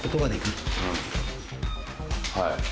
はい。